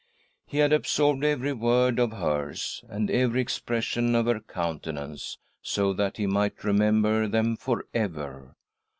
He had absorbed every word of hers, and every expression of her countenance, so that he might remember them for ever.